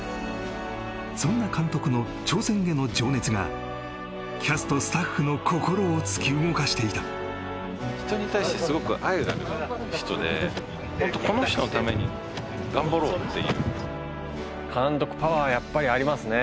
そんな監督の挑戦への情熱がキャスト・スタッフの心を突き動かしていた監督パワーやっぱりありますね